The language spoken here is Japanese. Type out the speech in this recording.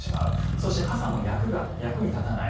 そして傘も役に立たない。